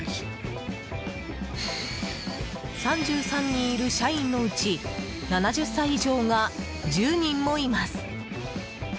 ３３人いる社員のうち７０歳以上が１０人もいます。